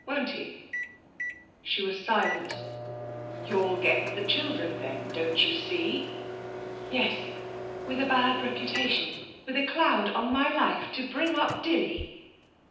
Won't he?' She was silent. 'You'll get the children then, don't you see?' 'Yes. With a bad reputation, with a cloud on my life, to bring up Dilly!'